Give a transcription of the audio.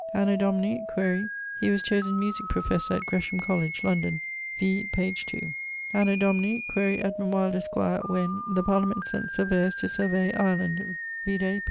Anno Domini ... (quaere) he was chosen musique professor at Gresham Colledge, London, v. pag.[e] 2. Anno Domini ... (quaere Edmund Wyld, esq., when) the Parliament sent surveyors to survey Ireland; vide pag.